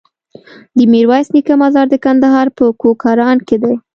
د ميرويس نيکه مزار د کندهار په کوکران کی دی